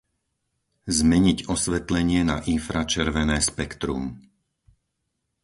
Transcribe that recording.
Zmeniť osvetlenie na infračervené spektrum.